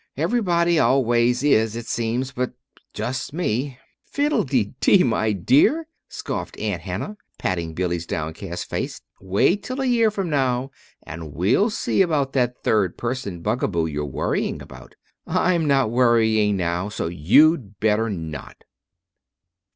"Everybody always is, it seems, but just me." "Fiddlededee, my dear!" scoffed Aunt Hannah, patting Billy's downcast face. "Wait till a year from now, and we'll see about that third person bugaboo you're worrying about. I'm not worrying now; so you'd better not!"